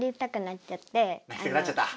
なりたくなっちゃった。